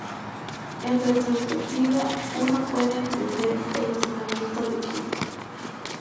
En retrospectiva, uno puede entender el razonamiento de King.